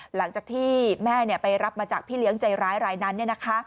หลังจากที่แม่ไปรับมาจากพี่เลี้ยงใจร้ายรายนั้น